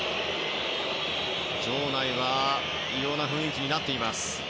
場内は異様な雰囲気になっています。